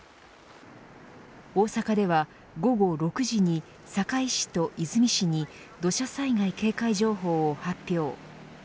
大阪では午後６時に堺市と和泉市に土砂災害警戒情報を発表。